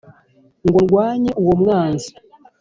ngo ndwanye uwo mwanzi